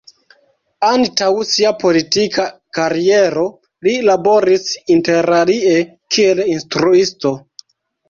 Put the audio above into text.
Antaŭ sia politika kariero li laboris interalie kiel instruisto.